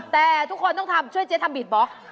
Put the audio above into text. แต่ทุกคนต้องช่วยเจ๊ทำบีบล็อค